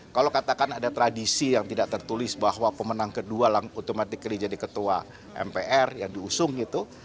kalau katakan ada tradisi yang tidak tertulis bahwa pemenang kedua otomatis jadi ketua mpr yang diusung gitu